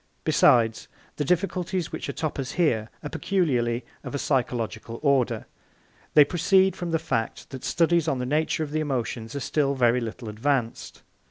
Besides, the difficulties which atop us here are peculiarly of a psychological order. They proceed from the fact that studies on the nature of the emotions are still very little advanced.